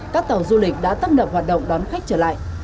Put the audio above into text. các tàu du lịch đã tăng đập hoạt động đón khách trở lại